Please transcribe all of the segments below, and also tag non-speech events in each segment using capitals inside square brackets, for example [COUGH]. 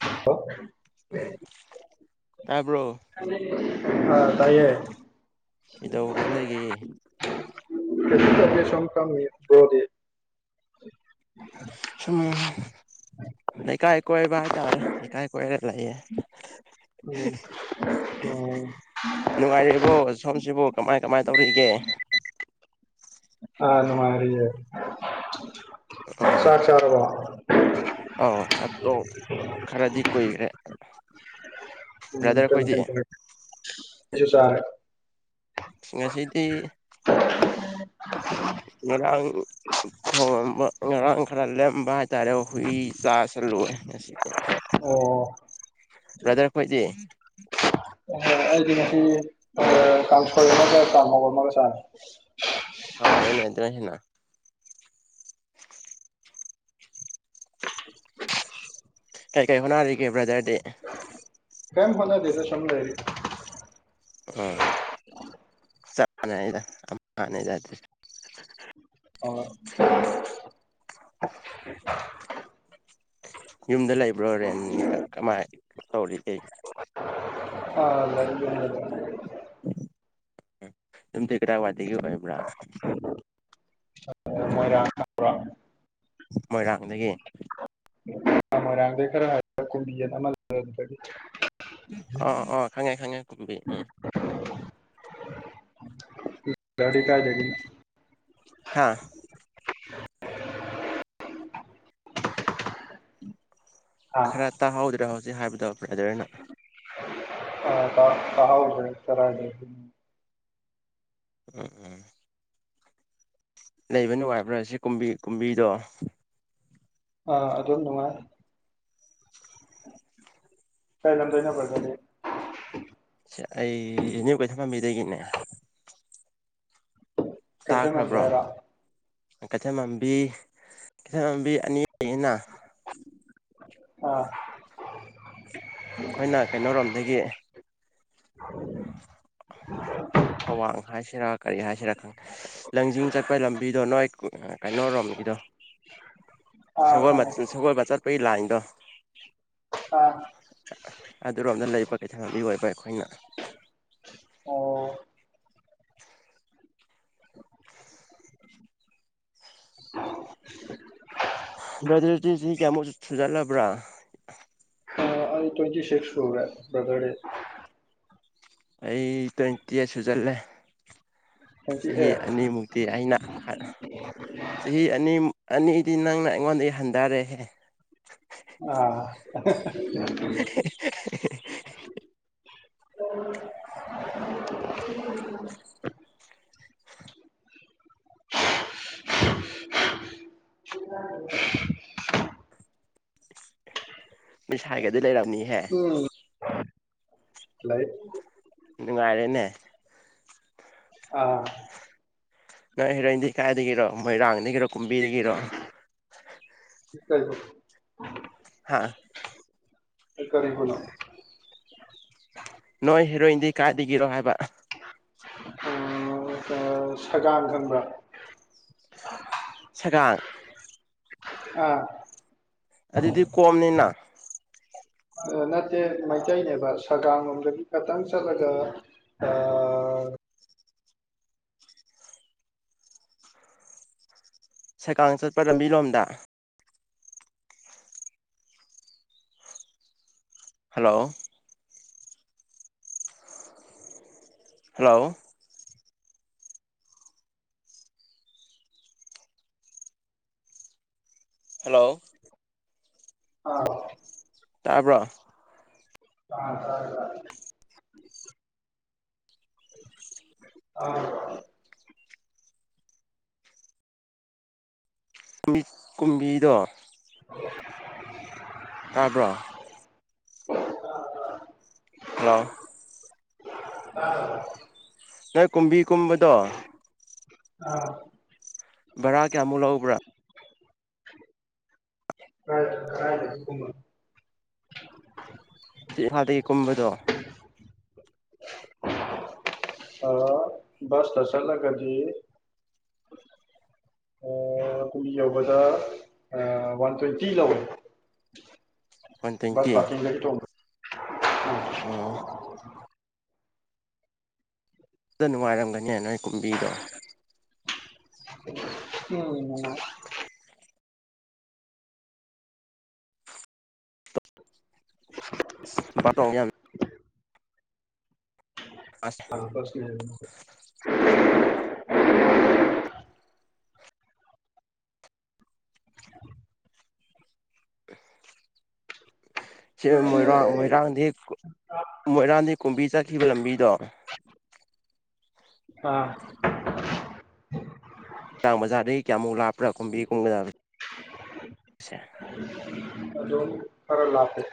ꯍ ꯎꯝ ꯇꯄ ꯎ ꯑꯥ ꯇꯥꯏꯌꯦ ꯀꯩꯗꯧꯔ ꯂꯩꯒꯦ ꯁꯀꯝꯗꯤ [INAUDIBLE] ꯁꯨꯝ ꯂꯩꯀꯥꯏ ꯀꯣꯏꯕ ꯍꯥꯏꯇꯥꯔꯦ ꯂꯩꯀꯥꯏ ꯀꯣꯏꯔ ꯂꯑꯦ ꯎꯝ ꯑꯣ ꯅꯨꯡꯉꯥꯏꯔꯦꯕꯣ ꯁꯣꯝꯁꯤꯕꯨ ꯀꯃꯥꯏ ꯀꯃꯥꯏꯅ ꯇꯧꯔꯛꯒꯦ ꯑꯅ ꯃꯥꯔꯤꯦ ꯆꯥ ꯎꯝ ꯆꯥ ꯋꯥ ꯑꯧ ꯆꯥꯠꯇꯣꯛ ꯈꯔꯗꯤ ꯀꯨꯏꯈ꯭ꯔꯦ ꯕ꯭ꯔꯗꯔꯈꯣꯏꯗꯤ ꯁꯨ ꯁꯥꯔꯦ ꯉꯁꯤꯗꯤ ꯉꯔꯥꯡ ꯊꯣꯡ ꯉꯔꯥꯡ ꯈꯔ ꯂ ꯇꯔꯦ ꯍꯨꯏ ꯆꯥꯥꯁꯜꯂꯨ ꯉꯁꯤꯗꯤ ꯑꯣ ꯕ꯭ꯔꯗꯔ ꯑꯩꯈꯣꯏꯗꯤ ꯑꯣꯍꯣꯏ ꯑꯩꯗꯤ ꯉꯁꯤ ꯀꯥꯡꯊꯣꯏ ꯑꯃꯒ ꯀꯥꯡ ꯃꯧꯕ ꯑꯃꯒ ꯆꯥꯔꯦ ꯍꯥꯎꯔꯦꯅꯦ ꯑꯗꯨꯅ ꯍꯦꯟꯅ [UNINTELLIGIBLE] ꯀꯥꯏ ꯀꯥꯏ ꯍꯅꯔꯒꯦ ꯕ꯭ꯔꯗꯔꯗꯦ ꯀꯩ ꯐꯅꯗꯦ ꯁꯝꯗ ꯍꯥꯏꯔꯤ ꯎ ꯆ ꯅꯗꯅꯗꯦ ꯑꯣ ꯌꯨꯝꯗ ꯂꯩꯕ꯭ꯔꯣ ꯔꯦꯟꯅꯤ ꯀꯃꯥꯏ ꯇꯧꯔꯤꯒꯦ ꯑ ꯂꯩ ꯎꯝ ꯌꯝꯇꯤ ꯀꯗꯥꯏ ꯋꯥꯏꯗꯒꯤ ꯑꯣꯏꯕ꯭ꯔꯥ ꯃꯣꯏꯔꯥꯡ ꯍꯥ꯭ꯔ ꯃꯣꯏꯅ ꯑꯗꯒꯤ ꯃꯣꯏꯔꯥꯡꯗꯩ ꯈꯔ ꯍꯥꯏ ꯀꯨꯝꯕꯤꯅ ꯑꯃꯗꯤ ꯑꯥ ꯑꯥ ꯈꯪꯉꯦ ꯈꯪꯉꯦ ꯀꯨꯝꯕꯤ ꯎꯝ ꯒꯥꯔꯤ ꯀꯥꯏ ꯂꯩꯒ ꯍꯥꯥ [INAUDIBLE] ꯑꯥ ꯈꯔ ꯇꯥ ꯍꯥꯎꯗ꯭ꯔꯥ ꯍꯧ ꯁꯤ ꯍꯥꯏꯕꯗ ꯗꯅ [UNINTELLIGIBLE] ꯎꯝ ꯎꯝ ꯂꯩꯕ ꯅꯨꯡꯉꯥꯏꯕ꯭ꯔꯥ ꯁꯤ ꯀꯨꯝꯕꯤ ꯀꯨꯝꯕꯤꯗꯣ ꯑ ꯑꯗꯨꯝ ꯅꯨꯡꯉꯥꯏ ꯀꯥꯏ ꯂꯝ ꯗꯩꯅꯣ ꯕꯔꯗꯔꯗꯤ ꯑꯩꯅꯤ ꯀꯩ ꯊꯐꯝꯕꯤꯗꯒꯤꯅꯦ ꯀꯩꯊꯦꯜꯃꯥꯟꯕꯤ ꯍꯥꯏꯔꯣ ꯀꯩꯊ ꯃꯝꯕꯤ ꯀꯩꯊ ꯃꯝꯕꯤ ꯑꯅꯤꯅ ꯑ ꯑꯩꯈꯣꯏꯅ ꯀꯩꯅꯣꯔꯣꯝꯗꯒꯤ [UNINTELLIGIBLE] ꯄꯋꯥ ꯃꯈꯥꯏ ꯁꯤꯔꯥ ꯀꯔꯤ ꯍꯥꯏꯁꯤ ꯁꯤꯔ ꯂꯪꯖꯤꯡ ꯆꯠꯄ ꯂꯝꯕꯤꯗꯣ ꯅꯣꯏ ꯀꯩꯅꯣꯣꯔꯣꯝꯒꯤꯗꯣ ꯁ ꯑꯥ ꯈꯪꯉꯦ ꯁꯒꯣꯜꯕ ꯆꯠꯄꯒꯤ ꯂꯥꯏꯟꯗꯣ ꯑꯥ ꯑꯗꯨꯔꯣꯝꯗ ꯂꯩꯕ ꯀꯩꯊꯥꯟꯅꯕꯤ ꯑꯣꯏꯕ ꯑꯩꯈꯣꯏꯅ ꯑꯣ [UNINTELLIGIBLE] ꯕꯔꯗꯔꯗꯤ ꯆꯍꯤ ꯀꯌꯥꯃꯨꯛ ꯁꯨꯖꯜꯂꯕ꯭ꯔꯥ ꯑꯩ ꯇ꯭ꯋꯦꯟꯇꯤ ꯁꯤꯁꯛ ꯁꯨꯔꯦ ꯕꯔꯗꯔꯗꯤ [INAUDIBLE] ꯑꯩ ꯇ꯭ꯋꯦꯟꯇꯤ ꯑꯩꯠꯁꯨ ꯆꯠꯂꯦ ꯇ꯭ꯋꯦꯟꯇꯤ ꯆꯍꯤ ꯑꯦꯠ ꯑꯅꯤꯃꯨꯛꯇꯤ ꯑꯩꯅ ꯆꯍꯤ ꯑꯅꯤ ꯑꯅꯤ ꯗꯤ ꯅꯪꯅ ꯑꯩꯉꯣꯟꯗꯒꯤ ꯍꯟꯊꯔꯦꯍꯦ ꯑꯥ [UNINTELLIGIBLE] [UNINTELLIGIBLE] [UNINTELLIGIBLE] ꯂꯩꯔꯝꯅꯤ ꯍꯦ ꯎꯝ ꯂꯩ ꯅꯨꯡꯉꯥꯏꯔꯦꯅꯦ ꯑꯥ ꯅꯣꯏ ꯍꯦꯔꯣꯏ ꯏꯗꯤ ꯀꯥꯏꯗꯒꯤꯔꯣ ꯃꯣꯏꯔꯥꯡꯗꯒꯤꯗꯒꯤꯔꯣ ꯀꯨꯝꯕꯤꯔꯒꯤꯔꯣ [UNINTELLIGIBLE] ꯍꯥꯥ ꯀꯔꯤꯕꯨꯅꯣ ꯅꯣꯏ ꯍꯦꯔꯣꯏꯟꯗꯤ ꯀꯥꯏꯗꯒꯤꯔꯣ ꯍꯥꯏꯕ ꯁꯒꯝ ꯈꯪꯕ꯭ꯔꯥ ꯁꯒꯥꯡ ꯑꯥ ꯑꯗꯨꯗꯤ ꯀꯣꯝꯅꯤꯅ ꯅꯠꯇꯦ ꯃꯩꯇꯩꯅꯦꯕ ꯁꯒꯥꯡ ꯂꯣꯝꯗꯒꯤ ꯈꯛꯇꯪ ꯆꯠꯂꯒ ꯁꯩꯀꯥꯡ ꯆꯠꯄ ꯂꯝꯕꯤꯔꯣꯝꯗ ꯍꯜꯂꯣ ꯍꯜꯂꯣ ꯍꯜꯂꯣ ꯑꯥ ꯇꯥꯄ ꯑꯥ ꯇ ꯇ ꯑꯥ ꯕꯤ ꯀꯨꯝꯕꯤꯗ [INAUDIBLE] ꯇꯥꯕ꯭ꯔꯣ [INAUDIBLE] ꯍꯜꯂꯣ ꯑ ꯅꯣꯏ ꯀꯨꯝꯕꯤ ꯀꯨꯝꯕꯗꯣ ꯑꯥ ꯕꯔꯥ ꯀꯌꯥꯃꯨꯛ ꯂꯥꯛꯎꯕ꯭ꯔꯥ ꯍꯥꯏ ꯍꯥꯏ ꯀꯃ ꯁꯤ ꯍꯥꯗꯒꯤ ꯀꯃꯗꯨꯣ ꯁ ꯇꯁꯂ ꯀꯗꯤ ꯀꯨꯏ ꯌꯧꯕꯗ ꯋꯥꯟ ꯇ꯭ꯋꯦꯟꯇꯤ ꯂꯧꯋꯦ ꯋꯥꯟ ꯕꯁ ꯇ꯭ꯋꯦꯟꯇꯤ ꯄꯀꯤꯡꯗꯒꯤ ꯇꯣꯛ ꯑꯣ ꯑꯗ ꯅꯨꯡꯉꯥꯏꯔꯝꯒꯅꯦ ꯅꯣꯏ ꯀꯨꯝꯕꯤꯗꯣ ꯎꯝ ꯕꯥ ꯑꯁ ꯄꯁꯅꯦ ꯍꯥꯏ ꯁꯤ ꯃꯣꯏꯔꯥꯡ ꯃꯣꯏꯔꯥꯡꯗꯤꯛ ꯃꯣꯏꯔꯥꯡꯗꯦꯛ ꯀꯨꯝꯕꯤ ꯆꯠꯈꯤꯕ ꯂꯝꯕꯤꯗꯣ ꯑꯥ ꯆꯥꯡꯕꯖꯥꯔꯗꯒꯤ ꯀꯌꯥꯃꯨꯛ ꯂꯥꯞꯄ꯭ꯔꯥ ꯈꯨꯝꯕꯤ ꯀꯨꯝꯕꯖꯥꯦꯦ ꯍꯔ ꯍꯥꯤ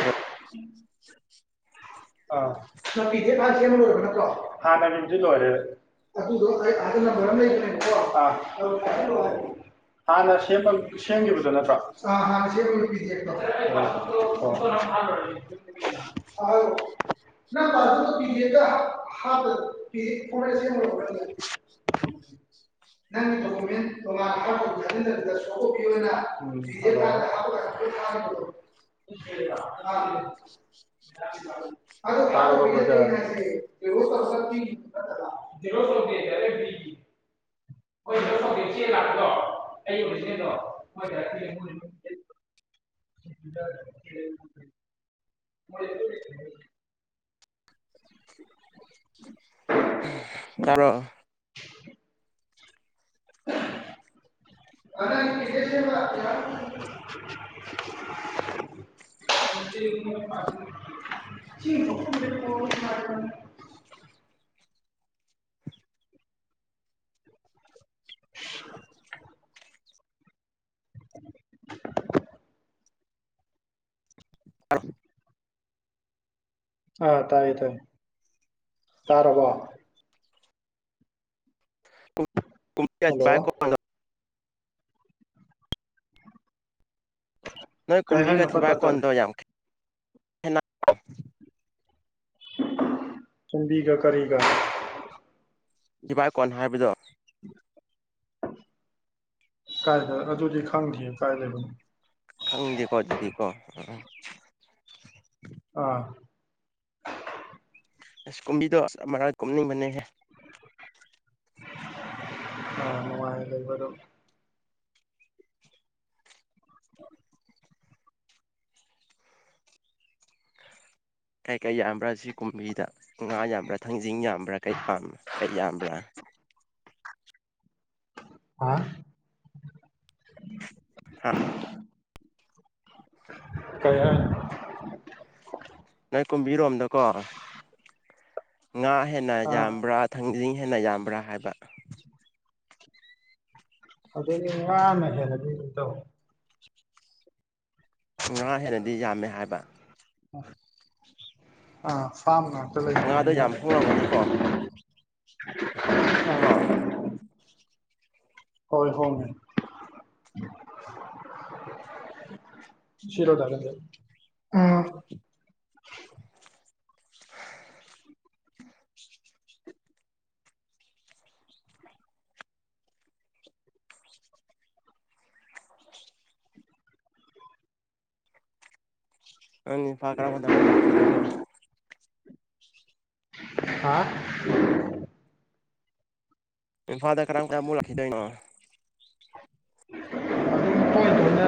ꯈꯔ ꯍꯅ ꯃꯁꯤ ꯂꯣꯏꯔꯦ ꯍꯥꯟꯅ ꯁꯦꯝꯕꯗꯨꯣ ꯅꯠꯇ꯭ꯔꯣ ꯗꯦꯟꯣꯉꯥꯟ [UNINTELLIGIBLE] ꯆ ꯂꯥꯛꯄꯗꯣ ꯑꯩꯕ ꯆꯗꯣ [INAUDIBLE] [INAUDIBLE] ꯆꯂꯣ [INAUDIBLE] ꯑꯁ ꯑꯥ ꯇꯥꯏꯌꯦ ꯇꯥꯏꯌꯦ ꯇꯥꯔ ꯋꯥ ꯀꯨꯝꯌꯥ ꯍꯜꯂꯣ ꯆ꯭ꯔꯥꯏ ꯀꯅ ꯅꯣꯏ ꯀꯩ ꯀꯨꯝꯕꯤꯒ ꯍꯥꯏꯅꯣ ꯄꯠ ꯊꯤꯚꯥꯛ ꯄꯠ ꯇꯠꯂꯦ ꯀꯣꯟꯗꯣ ꯌꯥꯝ ꯍ ꯇꯟꯕꯤꯒ ꯀꯔꯤꯒ ꯗꯤꯚꯏ ꯀꯣꯟ ꯍꯥꯏꯕꯗꯣ ꯀꯥꯏꯗ ꯑꯗꯨꯗꯤ ꯈꯪꯗꯦ ꯀꯥꯏ ꯂꯩꯕꯅꯣ ꯈꯪꯗꯦꯀꯣ ꯑꯗꯨꯗꯤꯀꯣ ꯑ ꯑꯥ ꯑꯁ ꯀꯨꯝꯕꯤꯗ‌ꯣ ꯑꯁ ꯑꯃꯔꯛ ꯀꯨꯝꯅꯤꯡꯕꯅꯤꯍ‌ꯦ ꯑ ꯅꯨꯡꯉꯥꯏ ꯂꯩꯕꯣ ꯀꯩꯀꯩ ꯌꯥꯝꯕ꯭ꯔꯥ ꯁꯤ ꯀꯨꯝꯕꯤꯗ ꯉꯥ ꯌꯥꯝꯕ꯭ꯔꯥ ꯊꯥꯡꯖꯤꯡ ꯌꯥꯝꯕ꯭ꯔꯥ ꯀꯩ ꯄꯥꯝꯕꯥ ꯀꯩ ꯌꯥꯝꯕ꯭ꯔꯥ ꯍꯥ ꯍꯥ ꯀꯩ ꯍꯥꯏꯅ‌ꯣ ꯅ‌ꯣꯏ ꯀꯨꯝꯕꯤꯔꯣꯝꯗꯀꯣ ꯉꯥ ꯍꯦꯟꯅ ꯑꯥ ꯌꯥꯝꯕ꯭ꯔꯥ ꯊꯪꯖꯤꯡ ꯍꯦꯟꯅ ꯌꯥꯝꯕ꯭ꯔꯥ ꯍꯥꯏꯕ ꯑꯗꯨꯗꯤ ꯉꯥꯅ ꯍ‌ꯦꯜꯂꯅꯤ ꯏꯇꯥꯎ ꯉꯥ ꯍꯦꯟꯅꯗꯤ ꯌꯥꯝꯃꯦ ꯍꯥꯏꯕ ꯑ ꯐꯥꯝ ꯉꯥꯛ ꯉꯥꯗꯣ ꯇꯂꯩꯕꯅꯤꯅ ꯌꯥꯝ ꯍꯣꯡꯂꯝꯒꯅꯤꯀꯣ [UNINTELLIGIBLE] ꯀ‌ꯣ ꯍꯣꯏ ꯍ‌ꯣꯡꯉ‌ꯦ ꯁꯤꯔꯣ ꯗꯥ ꯄ‌ꯦꯝꯖꯤꯠ ꯅꯪ ꯏꯝꯐꯥꯜ ꯀꯔꯝꯀꯥꯟꯗ ꯃ‌ꯣꯛ ꯂꯥꯛꯈꯤꯗ‌ꯣꯏꯔꯣ ꯍꯥ ꯏꯝꯐꯥꯜꯗ ꯀꯔꯝꯀꯥꯟꯃꯨꯛ ꯂꯥꯛꯈꯤꯗꯣꯏꯅꯣ [UNINTELLIGIBLE] ꯑꯗꯨꯝ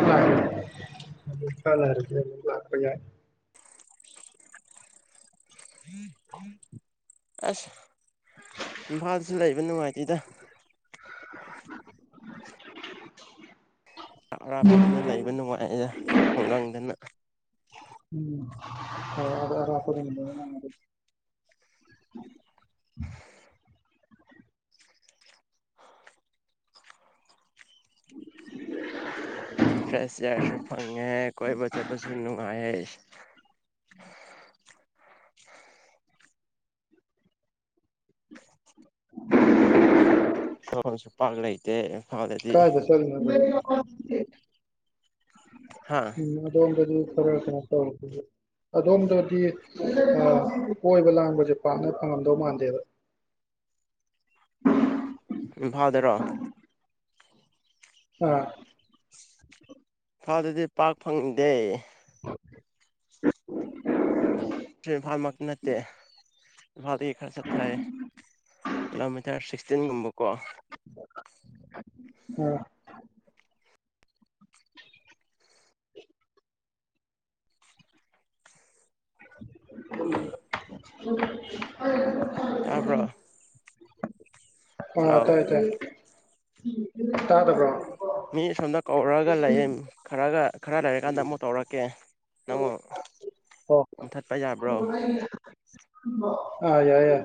ꯈꯥꯔ ꯂꯩꯔꯗꯤ ꯑꯗꯨꯝ ꯂꯥꯛꯄ ꯌꯥꯏ [UNINTELLIGIBLE] ꯑꯁ ꯏꯝꯐꯥꯜꯁꯨ ꯂꯩꯕ ꯅꯨꯡꯉꯥꯏꯇꯦꯗ ꯑ ꯑꯔꯥꯞꯄꯗꯅ ꯂꯩꯕ ꯅꯨꯡꯉꯥꯏꯌꯦ ꯈꯨꯡꯒꯪꯗꯅ ꯎꯝ [UNINTELLIGIBLE] [UNINTELLIGIBLE] ꯐ꯭ꯔꯦꯁ ꯏꯌꯥꯔꯁꯨ ꯐꯪꯉꯦ ꯀꯣꯏꯕ ꯆꯠꯄꯁꯨ ꯅꯨꯡꯉꯥꯏ [UNINTELLIGIBLE] [UNINTELLIGIBLE] ꯁꯨ ꯄꯥꯛ ꯂꯩ ꯇ‌ꯦ ꯀꯥꯏꯗ ꯆꯠꯂꯤꯅ‌ꯣ ꯍꯥ ꯎꯝ ꯑꯗꯣꯝꯗꯗꯤ ꯈꯔ ꯀꯩꯅꯣ ꯇꯧ ꯑꯗꯣꯝꯗꯗꯤ ꯀꯣꯏꯕ ꯂꯥꯡꯕꯁꯦ ꯄꯥꯛꯅ ꯐꯪꯉꯝꯗꯧ ꯃꯥꯟꯗꯦꯕ ꯏꯝꯐꯥꯜꯗꯔꯣ ꯑꯥ ꯏꯝꯐꯥꯗꯗꯤ ꯄꯥꯛ ꯐꯪꯗꯦ ꯏꯝꯐꯥꯜꯃꯛ ꯅꯠꯇꯦ ꯐꯥꯎꯒꯤ ꯈꯔ ꯆꯠ ꯊꯥꯏ ꯀꯤꯂꯣꯃꯤꯇꯔ ꯁꯤ ꯆꯆꯤꯟꯒꯨꯝꯕꯀꯣ ꯎꯝ [INAUDIBLE] ꯇꯥꯕꯔꯣ ꯑ ꯇꯥꯏ ꯇꯥꯏ ꯇꯥꯗꯄ꯭ꯔꯣ ꯃꯤ ꯁꯣꯝꯗ ꯀꯧꯔꯒ ꯂꯩꯌꯦ ꯈꯔꯒ ꯈꯔ ꯂꯩꯔꯀꯥꯟꯗ ꯑꯃꯨꯛ ꯇꯧꯔꯛꯀꯦ ꯅꯪ ꯑꯣ ꯃꯨꯊꯠꯄ ꯌꯥꯕ꯭ꯔꯣ ꯑ ꯌꯥꯏ ꯌꯥ